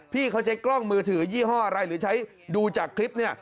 พี่เขาใช้กล้องมือถือยี่ห้ออะไรหรือใช้ดูจากคลิปเนี่ย